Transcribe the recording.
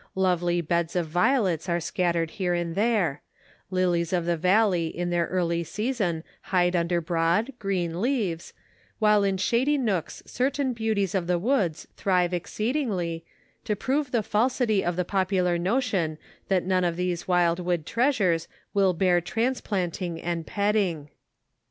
Lovely beds of violets are scattered here and there; lilies of the valley in their early season hide under broad, green leaves; while in shady nooks certain beauties of the woods thrive exceedingly, to prove the falsity of the popular notion that none of these wild wood treasures will bear transplanting and petting.